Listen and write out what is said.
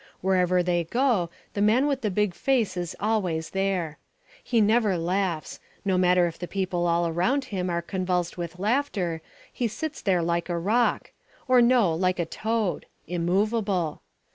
Wherever they go the man with the big face is always there. He never laughs; no matter if the people all round him are convulsed with laughter, he sits there like a rock or, no, like a toad immovable.